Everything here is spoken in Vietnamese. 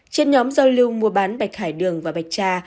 trên nhóm giao lưu mua bán bạch hải đường và bạch tra